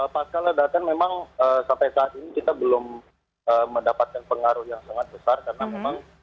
pasca ledakan memang sampai saat ini kita belum mendapatkan pengaruh yang sangat besar karena memang